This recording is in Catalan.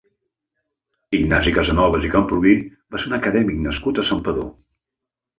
Ignasi Casanovas i Camprubí va ser un acadèmic nascut a Santpedor.